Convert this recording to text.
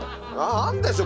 あるんでしょ？